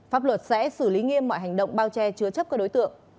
pháp luật sẽ xử lý nghiêm mọi hành động bao che chứa chấp các đối tượng